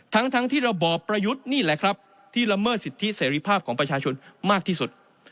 ทั้งที่ระบอบประยุทธ์นี่แหละครับที่ละเมิดสิทธิเสรีภาพของประชาชนมากที่สุด